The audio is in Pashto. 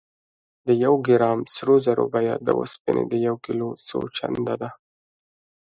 د یو ګرام سرو زرو بیه د اوسپنې د یو کیلو څو چنده ده.